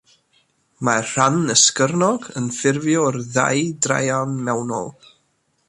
Mae'r rhan esgyrnog yn ffurfio'r ddau draean mewnol.